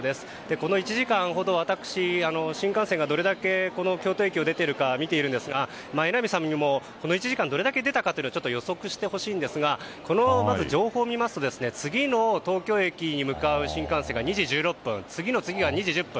この１時間ほど私は新幹線がどれだけこの京都駅を出ているか見ているんですが榎並さんにもこの１時間どれだけ出たか予測してほしいんですがこの情報を見ますと次の東京駅に向かう新幹線が２時１６分次の次が２時１０分。